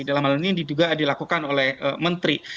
dalam hal ini juga dilakukan oleh menteri